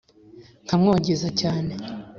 nkamwogeza cyane